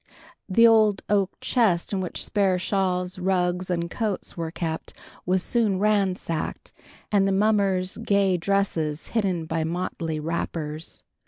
The old oak chest in which spare shawls, rugs, and coats were kept was soon ransacked, and the mummers' gay dresses hidden by motley wrappers.